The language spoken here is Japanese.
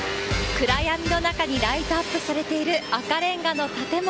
暗闇の中にライトアップされている、赤れんがの建物。